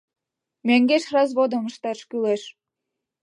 Мӧҥгеш разводым ышташ кӱлеш!..